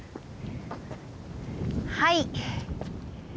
はい。